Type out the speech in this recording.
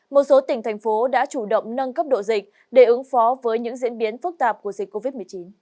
một số tỉnh thành phố đã chủ động nâng cấp độ dịch để ứng phó với những diễn biến phức tạp của dịch covid một mươi chín